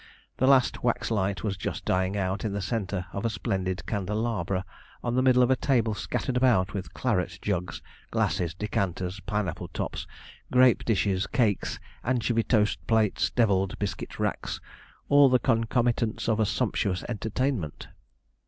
The last waxlight was just dying out in the centre of a splendid candelabra on the middle of a table scattered about with claret jugs, glasses, decanters, pine apple tops, grape dishes, cakes, anchovy toast plates, devilled biscuit racks all the concomitants of a sumptuous entertainment.